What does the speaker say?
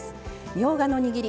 みょうがのにぎり。